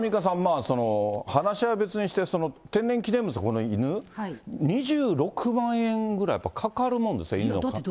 これアンミカさん、これ話し合いは別にして、天然記念物、この犬、２６万円ぐらい、やっぱかかるんですか、犬は。